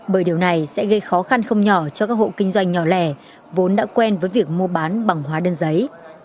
bởi điều này sẽ gây khó khăn không nhỏ cho các hộ kinh doanh nhỏ lẻ vốn đã quen với việc mua bán bằng hóa đơn giấy